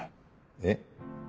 えっ？